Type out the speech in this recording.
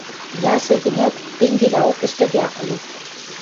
Ясы гӹнят, тенгелӓок ӹштӹде ак ли...